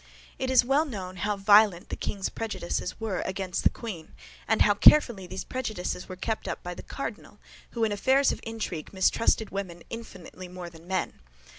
It is well known how violent the king's prejudices were against the queen, and how carefully these prejudices were kept up by the cardinal, who in affairs of intrigue mistrusted women infinitely more than men.